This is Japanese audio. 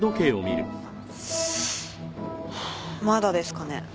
まだですかね？